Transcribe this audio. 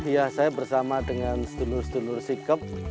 ya saya bersama dengan sedulur sedulur sikap